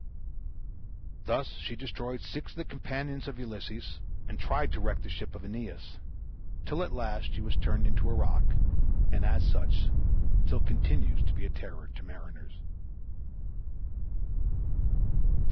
Thus she destroyed six of the companions of Ulysses, and tried to wreck the ships of Aeneas, till at last she was turned into a rock, and as such still continues to be a terror to mariners.